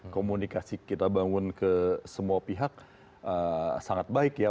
komunikasi kita bangun ke semua pihak sangat baik ya